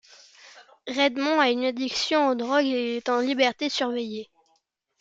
Redmond a une addiction aux drogues et il est en liberté surveillée.